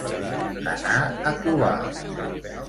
Anar a covar.